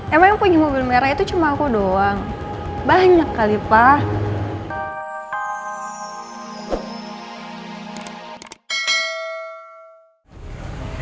emang yang punya mobil merah itu cuma aku doang banyak kali pak